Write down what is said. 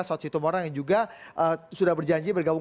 soet sitomoran yang juga sudah berjanji bergabung